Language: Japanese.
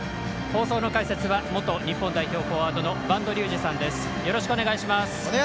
放送の解説は元日本代表のフォワードの播戸竜二さんです。